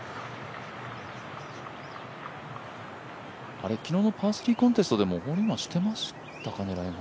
あれっ、昨日のパー３コンテストでもやってましたか？